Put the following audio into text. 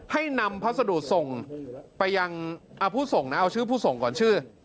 ให้นำพัสดุส่งไปยังผู้ส่งนะเอาชื่อผู้ส่งก่อนชื่อ